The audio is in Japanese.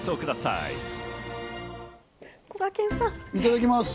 いただきます。